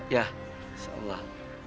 ya insya allah